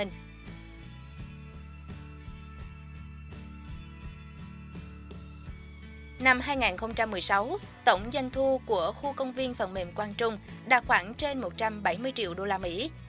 năm hai nghìn một mươi sáu tổng doanh thu của khu công viên phần mềm quang trung đạt khoảng trên một trăm bảy mươi triệu usd